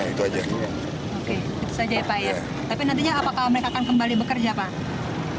itu saja ya pak ya tapi nantinya apakah mereka akan kembali bekerja pak